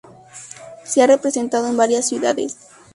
Se ha representado en varias ciudades.